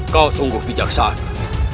kau sungguh bijaksana